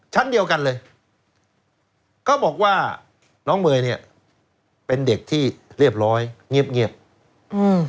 ชั้นเดียวกันเลยก็บอกว่าน้องเมย์เนี้ยเป็นเด็กที่เรียบร้อยเงียบเงียบอืม